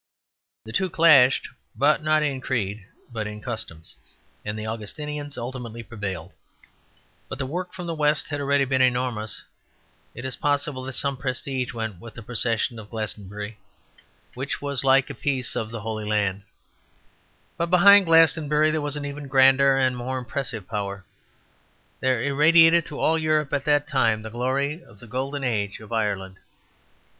The two clashed, not in creed but in customs; and the Augustinians ultimately prevailed. But the work from the west had already been enormous. It is possible that some prestige went with the possession of Glastonbury, which was like a piece of the Holy Land; but behind Glastonbury there was an even grander and more impressive power. There irradiated to all Europe at that time the glory of the golden age of Ireland.